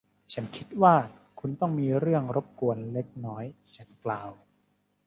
ฉันคิดว่าคุณต้องมีเรื่องรบกวนเล็กน้อย ฉันกล่าว